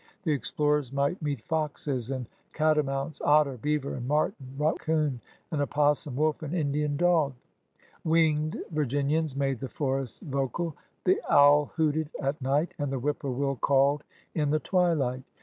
The explorers might meet foxes and catamounts, otter, beaver and marten, raccoon and opossum, wolf and Indian dog. Winged Vir ginians made the forests vocal. The owl hooted at night, and the whippoorwill called in the twilight.